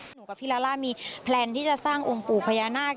หนูกับพี่ลาล่ามีแพลนที่จะสร้างองค์ปู่พญานาค